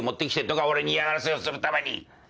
俺に嫌がらせをするために！